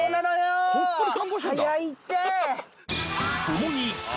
早いって！